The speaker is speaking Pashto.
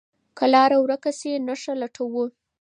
که لاره ورکه شي، نښه لټو.